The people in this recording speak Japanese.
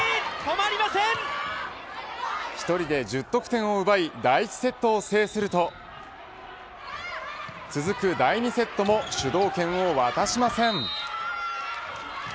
１人で１０得点を奪い第１セットを制すると続く第２セットも主導権を渡しません。